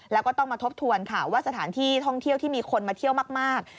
แล้วก็ต้องมาทบทวนค่ะว่าสถานที่ท่องเที่ยวที่มีคนมาเที่ยวมาก